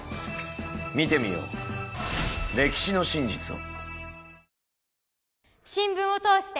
見てみよう歴史の真実を。